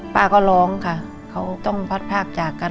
ป้าก็ร้องค่ะเขาต้องพัดภาคจากกัน